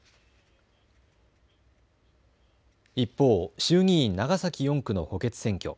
一方、衆議院長崎４区の補欠選挙。